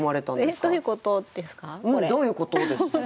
うん「どういうこと？」です。